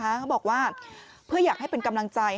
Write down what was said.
เขาบอกว่าเพื่ออยากให้เป็นกำลังใจ